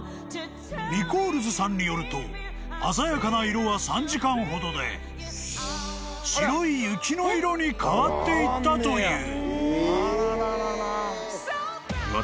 ［ニコールズさんによると鮮やかな色は３時間ほどで白い雪の色に変わっていったという］